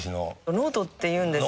ノートっていうんですかね。